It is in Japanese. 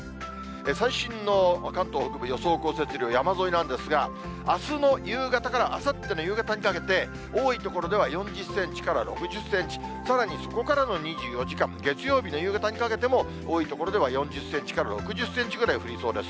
最新の関東北部、予想降雪量、山沿いなんですが、あすの夕方からあさっての夕方にかけて、多い所では４０センチから６０センチ、さらにそこからの２４時間、月曜日の夕方にかけても、多い所では４０センチから６０センチぐらい降りそうです。